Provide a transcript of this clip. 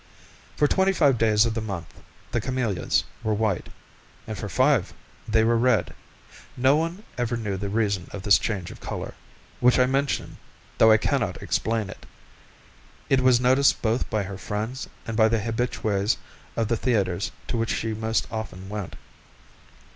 For twenty five days of the month the camellias were white, and for five they were red; no one ever knew the reason of this change of colour, which I mention though I can not explain it; it was noticed both by her friends and by the habitués of the theatres to which she most often went.